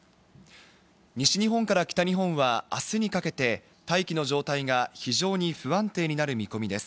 西日本から北日本はあすにかけて大気の状態が非常に不安定になる見込みです。